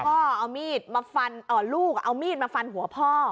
เอามีดมาฟันลูกเอามีดมาฟันหัวพ่อ